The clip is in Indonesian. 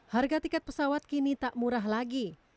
harga tiket pesawat kini tak murah lagi